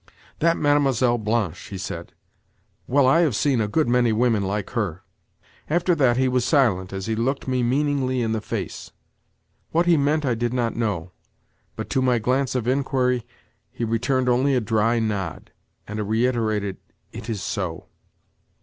"That Mlle. Blanche," he said. "Well, I have seen a good many women like her." After that he was silent as he looked me meaningly in the face. What he meant I did not know, but to my glance of inquiry he returned only a dry nod, and a reiterated "It is so."